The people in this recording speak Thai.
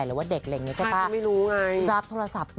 ด่าได้คะ